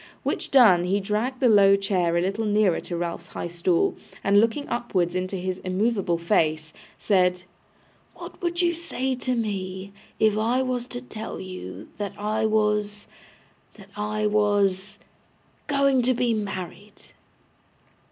which done, he dragged the low chair a little nearer to Ralph's high stool, and looking upwards into his immovable face, said, 'What would you say to me, if I was to tell you that I was that I was going to be married?